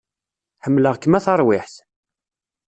Ḥemmleɣ-kem a tarwiḥṭ